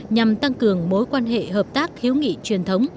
nhằm tăng cường mối quan hệ hợp tác hiếu nghị truyền thống